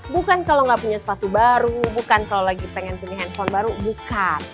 bukan kalau nggak punya sepatu baru bukan kalau lagi pengen punya handphone baru bukan